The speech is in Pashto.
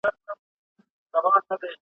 نه بچي مو خریدار لري په ښار کي ,